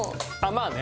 まあね。